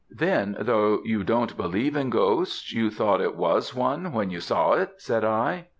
"Then, though you don't believe in ghosts, you thought it was one when you saw it," said I.